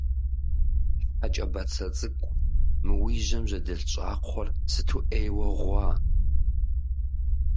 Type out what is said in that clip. Хьэ кӀэ бацэ цӀыкӀу, мы уи жьэм жьэдэлъ щӀакхъуэр сыту Ӏейуэ гъуа.